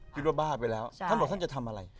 บ้าไปแล้วท่านบอกท่านจะทำอะไร